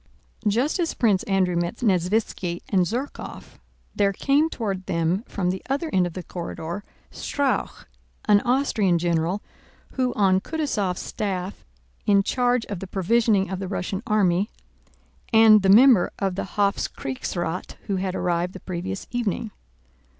Just as Prince Andrew met Nesvítski and Zherkóv, there came toward them from the other end of the corridor, Strauch, an Austrian general who was on Kutúzov's staff in charge of the provisioning of the Russian army, and the member of the Hofkriegsrath who had arrived the previous evening.